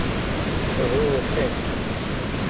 Uhu, qqim.